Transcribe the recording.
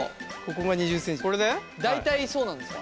大体そうなんですか？